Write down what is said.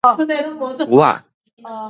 龜仔